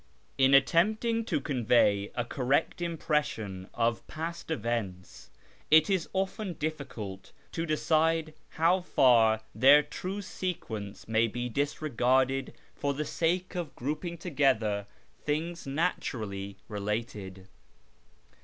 " In attempting to convey a correct impression of past events, it is often difficult to decide how far their true sequence may be disregarded for the sake of grouping together things natu rally related.